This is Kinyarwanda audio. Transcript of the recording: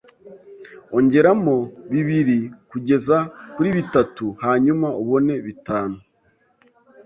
Ongeramo bibiri kugeza kuri bitatu, hanyuma ubone bitanu.